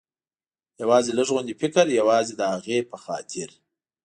یوازې لږ غوندې فکر، یوازې د هغې په خاطر.